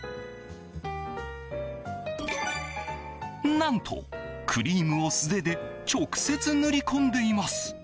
何と、クリームを素手で直接塗り込んでいます。